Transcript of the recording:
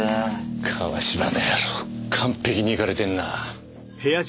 川芝の野郎完璧にいかれてるな。